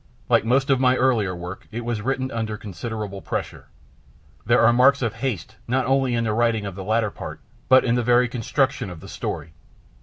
Like most of my earlier work, it was written under considerable pressure; there are marks of haste not only in the writing of the latter part, but in the very construction of the story.